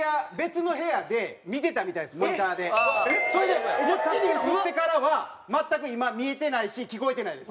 それでこっちに移ってからは全く今見えてないし聞こえてないです。